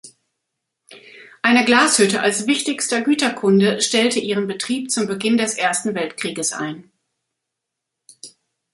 Eine Glashütte als wichtigster Güterkunde stellte ihren Betrieb zum Beginn des Ersten Weltkrieges ein.